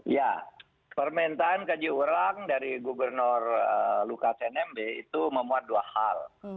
ya permintaan kaji ulang dari gubernur lukas nmb itu memuat dua hal